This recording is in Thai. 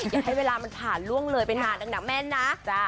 อย่าให้เวลามันผ่านล่วงเลยไปนานแม่นนะ